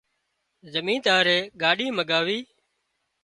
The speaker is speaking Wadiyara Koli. زمينۮارئي ڳاڏي مڳاوِي